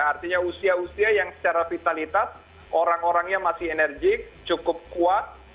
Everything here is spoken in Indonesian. artinya usia usia yang secara vitalitas orang orangnya masih enerjik cukup kuat